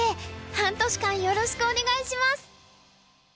半年間よろしくお願いします！